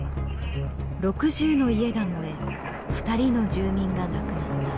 ６０の家が燃え２人の住民が亡くなった。